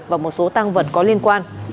và một số tăng vật có liên quan